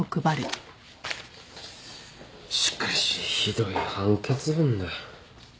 しかしひどい判決文だ。